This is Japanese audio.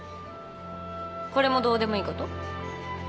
これもどうでもいいこと？